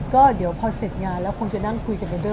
ก็เดี๋ยวพอเสร็จงานแล้วคงจะนั่งคุยกันในเด้อ